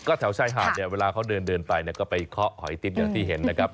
ก็แถวไช่หาดเวลาเขาเดินไปก็ไปเคาะหอยติ๊บอย่างที่เห็นนะครับ